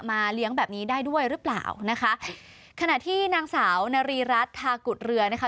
เลี้ยงแบบนี้ได้ด้วยหรือเปล่านะคะขณะที่นางสาวนารีรัฐทากุฎเรือนะคะ